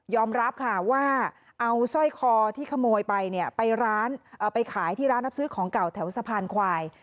รับค่ะว่าเอาสร้อยคอที่ขโมยไปเนี่ยไปร้านไปขายที่ร้านรับซื้อของเก่าแถวสะพานควาย